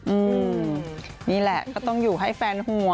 อืมนี่แหละก็ต้องอยู่ให้แฟนห่วง